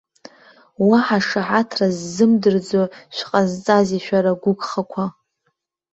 Уаҳа шаҭара ззымдырӡо шәҟазҵази, шәара гәықәхақәа!